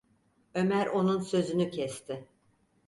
Ömer onun sözünü kesti: